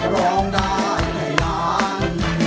ร้องได้ให้ล้าน